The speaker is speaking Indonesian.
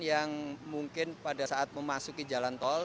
yang mungkin pada saat memasuki jalan tol